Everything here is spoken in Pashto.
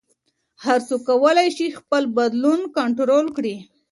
هر څوک کولی شي خپل بدلون کنټرول کړي.